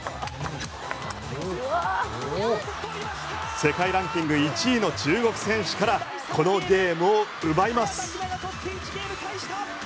世界ランキング１位の中国選手からこのゲームを奪います。